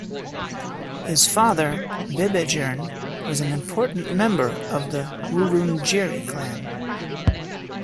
His father, Bebejern, was an important member of the Wurundjeri clan.